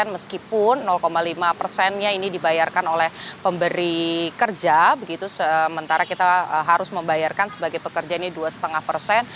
meskipun lima persennya ini dibayarkan oleh pemberi kerja begitu sementara kita harus membayarkan sebagai pekerja ini dua lima persen